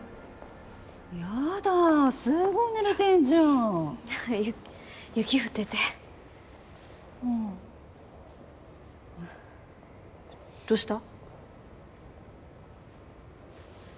ヤダすごい濡れてんじゃんゆ雪降っててああどうした？